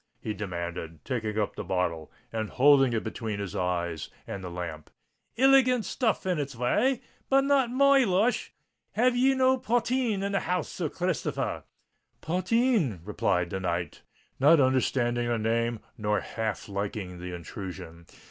he demanded, taking up the bottle and holding it between his eyes and the lamp. "Iligant stuff in its way—but not my lush. Have ye no potheen in the house, Sir Christopher r?" "Potheen?" repeated the knight, not understanding the name nor half liking the intrusion.